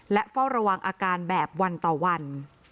และเฝ้าระวังอาการแบบวันต่อวัน